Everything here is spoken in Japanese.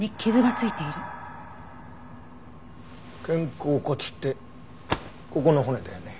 肩甲骨ってここの骨だよね。